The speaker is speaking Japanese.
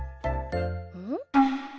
うん？